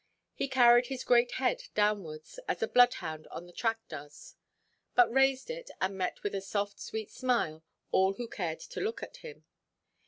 He carried his great head downwards, as a bloodhound on the track does, but raised it, and met with a soft sweet smile all who cared to look at him.